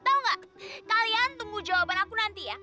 tau gak kalian tunggu jawaban aku nanti ya